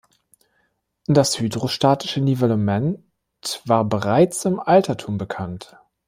Das hydrostatische Nivellement war bereits im Altertum bekannt.